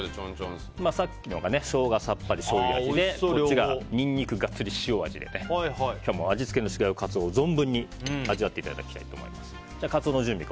さっきのがショウガさっぱりしょうゆ味でこっちがニンニクガッツリ塩味で今日も味付けの違うカツオを存分に味わっていただきたいと思います。